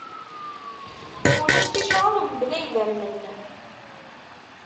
Ulac ticraḍ mebla idammen.